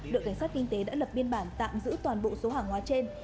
đội cảnh sát kinh tế đã lập biên bản tạm giữ toàn bộ số hàng hóa trên